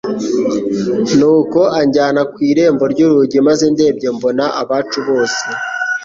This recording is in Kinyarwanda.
nuko anjyana ku irembo ry urugi maze ndebye mbona abcu bose